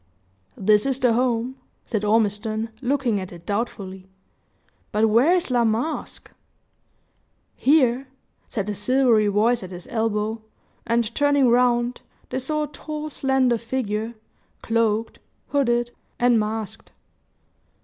"This is the home," said Ormiston, looking at it doubtfully, "but where is La Masque?" "Here!" said a silvery voice at his elbow; and turning round, they saw a tall, slender figure, cloaked, hooded, and masked.